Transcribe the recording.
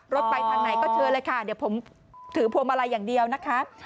ไปทางไหนก็เชิญเลยค่ะเดี๋ยวผมถือพวงมาลัยอย่างเดียวนะคะ